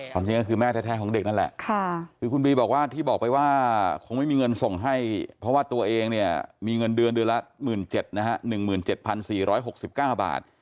จริงก็คือแม่แท้ของเด็กนั่นแหละคือคุณบีบอกว่าที่บอกไปว่าคงไม่มีเงินส่งให้เพราะว่าตัวเองเนี่ยมีเงินเดือนเดือนละ๑๗๐๐นะฮะ๑๗๔๖๙บาท